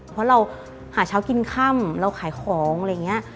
เพราะเราหาเช้ากินค่ำเราขายของอะไรอย่างนี้